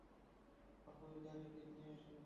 আপনি যান এসিড নিয়ে আসুন।